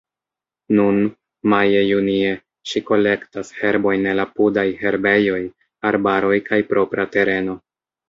Nun, maje-junie, ŝi kolektas herbojn el apudaj herbejoj, arbaroj kaj propra tereno.